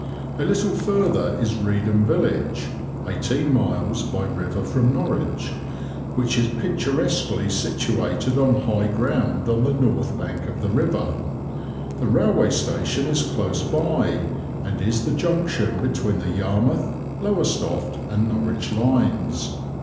A little further is Reedham village (eighteen miles), which is picturesquely situated on high ground on the north bank of the river. The railway station is close by, and is the junction between the Yarmouth, Lowestoft, and Norwich lines.